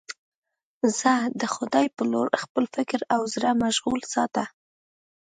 زه د خدای په لور خپل فکر او زړه مشغول ساته.